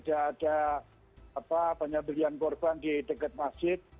ada penyembelian korban di dekat masjid